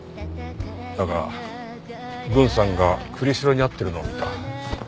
だが郡さんが栗城に会ってるのを見た。